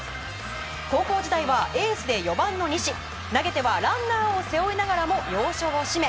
高校時代はエースで４番の西投げてはランナーを背負いながらも要所を締め